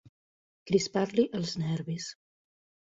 Crispar-li els nervis.